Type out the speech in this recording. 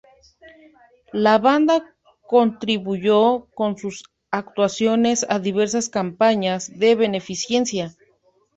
La banda contribuyó con sus actuaciones a diversas campañas de beneficencia.